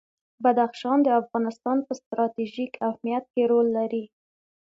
بدخشان د افغانستان په ستراتیژیک اهمیت کې رول لري.